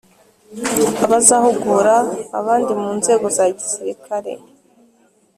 Abazahugura abandi mu nzego za gisirikare